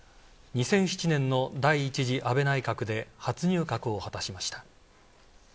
２００７年の第１次安倍内閣で初入閣を果たしました。